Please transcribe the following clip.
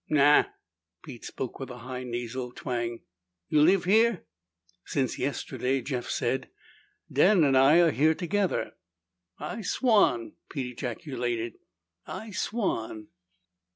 "Nao." Pete spoke with a high nasal twang. "You live here?" "Since yesterday," Jeff said. "Dan and I are here together." "I swan!" Pete ejaculated. "I swan!"